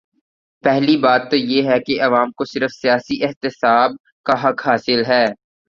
پہلی بات تو یہ ہے کہ عوام کو صرف سیاسی احتساب کا حق حاصل ہے۔